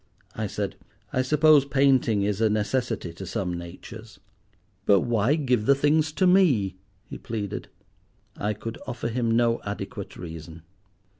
I said, "I suppose painting is a necessity to some natures." "But why give the things to me?" he pleaded. I could offer him no adequate reason.